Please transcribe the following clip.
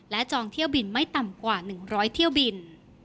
จองเที่ยวบินไม่ต่ำกว่า๑๐๐เที่ยวบิน